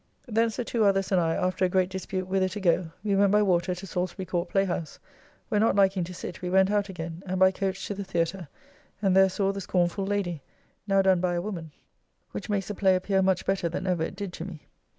Thence the two others and I after a great dispute whither to go, we went by water to Salsbury Court play house, where not liking to sit, we went out again, and by coach to the Theatre, and there saw "The Scornfull Lady," now done by a woman, which makes the play appear much better than ever it did to me.